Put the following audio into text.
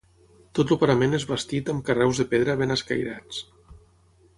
Tot el parament és bastit amb carreus de pedra ben escairats.